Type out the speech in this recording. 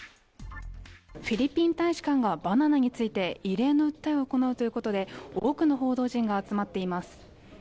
フィリピン大使館がバナナについて異例の訴えを行うということで多くの報道陣が集まっています。